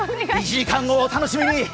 １時間後をお楽しみに！